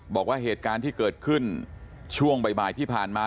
บอกว่าเหตุการณ์ที่เกิดขึ้นช่วงบ่ายที่ผ่านมา